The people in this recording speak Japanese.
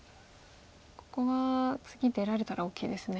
ここは次出られたら大きいですね。